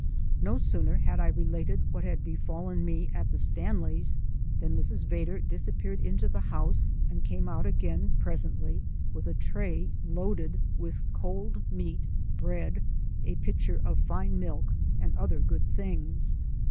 No sooner had I related what had befallen me at the Stanleys' than Mrs. Vedder disappeared into the house and came out again presently with a tray loaded with cold meat, bread, a pitcher of fine milk, and other good things.